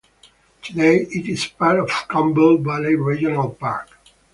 Today, it is part of Campbell Valley Regional Park.